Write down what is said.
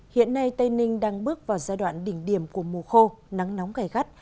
hiện nay tây ninh đang bước vào giai đoạn đỉnh điểm của mùa khô nắng nóng gai gắt